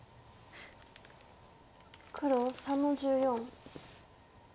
黒３の十四。